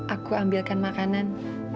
aku ambilkan makanan